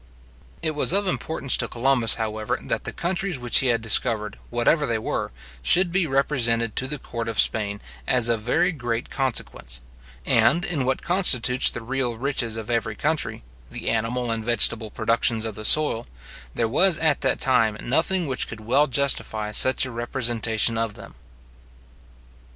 It was of importance to Columbus, however, that the countries which he had discovered, whatever they were, should be represented to the court of Spain as of very great consequence; and, in what constitutes the real riches of every country, the animal and vegetable productions of the soil, there was at that time nothing which could well justify such a representation of them.